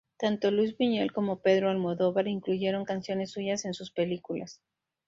Tanto Luis Buñuel como Pedro Almodóvar incluyeron canciones suyas en sus películas.